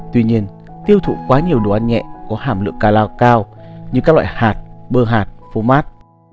tuy nhiên tiêu thụ quá nhiều đồ ăn nhẹ có hàm lượng calo cao như các loại hạt bơ hạt phô mát